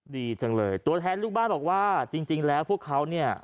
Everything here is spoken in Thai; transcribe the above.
ดีจังเลยตัวแทนลูกบ้านบอกว่าจริงแล้วพวกเขาเนี่ย